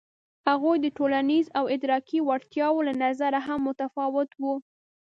هغوی د ټولنیزو او ادراکي وړتیاوو له نظره هم متفاوت وو.